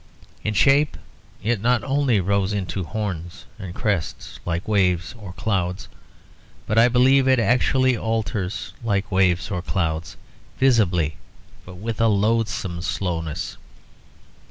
In shape it not only rose into horns and crests like waves or clouds, but I believe it actually alters like waves or clouds, visibly but with a loathsome slowness.